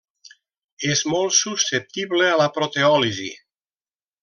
És molt susceptible a la proteòlisi.